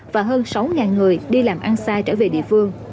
và hơn sáu người đi làm ăn xa trở về địa phương